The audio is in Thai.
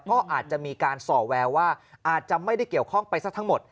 ก็อาจจะมีการส่อแววว่าอาจจะไม่ได้เกี่ยวข้องไปซะทั้งหมด